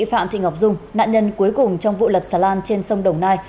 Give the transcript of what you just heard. phạm thị ngọc dung nạn nhân cuối cùng trong vụ lật xà lan trên sông đồng nai